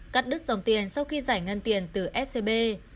cắt đứt dòng tiền sau khi giải ngân tiền từ scb